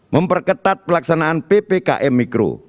memperketat pelaksanaan ppkm mikro